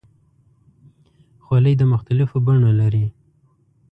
خولۍ د مختلفو بڼو لري.